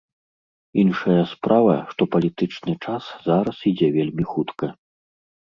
Іншая справа, што палітычны час зараз ідзе вельмі хутка.